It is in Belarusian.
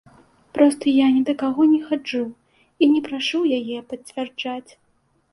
Проста я ні да каго не хаджу і не прашу яе пацвярджаць.